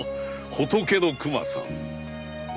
“仏の熊さん”？